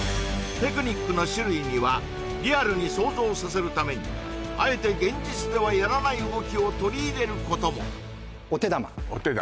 テクニックの種類にはリアルに想像させるためにあえて現実ではやらない動きを取り入れることもお手玉お手玉？